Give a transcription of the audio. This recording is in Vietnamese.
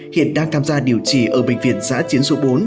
hiện đang tham gia điều trị ở bệnh viện giã chiến số bốn